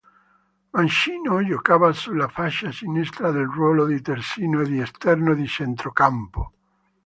Mancino, giocava sulla fascia sinistra nel ruolo di terzino o di esterno di centrocampo.